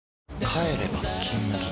帰れば「金麦」